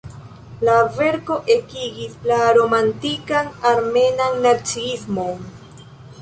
La verko ekigis la romantikan armenan naciismon.